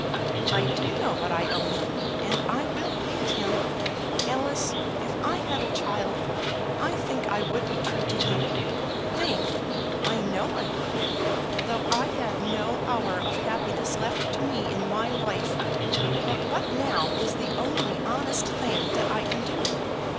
"I do know what I owe him, and I will pay it him. Alice, if I had a child I think I would be true to him. Think! I know I would; though I had no hour of happiness left to me in my life. But what now is the only honest thing that I can do?